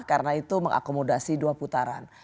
karena itu mengakomodasi dua putaran